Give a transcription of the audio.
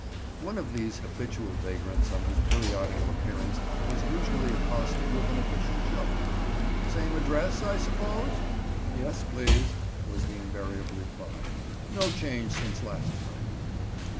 One of these habitual vagrants on his periodical appearance was usually accosted with an official joke, "Same address, I suppose?" "Yes, please," was the invariable reply; "no change since last time."